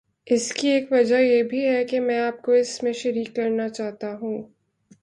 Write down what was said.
اس کی ایک وجہ یہ بھی ہے کہ میں آپ کو اس میں شریک کرنا چاہتا ہوں۔